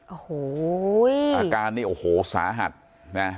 โอ้โหอาการนี่โอ้โหสาหัสนะ